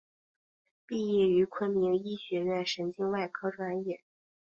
毕业于昆明医学院神经外科专业。